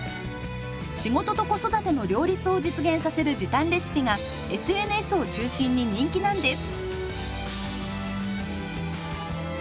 仕事と子育ての両立を実現させる時短レシピがＳＮＳを中心に人気なんです。